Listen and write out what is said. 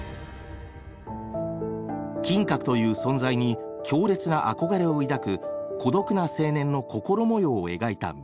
金閣という存在に強烈な憧れを抱く孤独な青年の心模様を描いた名作。